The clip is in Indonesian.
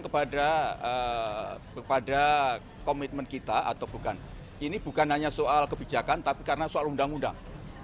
kepada kepada komitmen kita atau bukan ini bukan hanya soal kebijakan tapi karena soal undang undang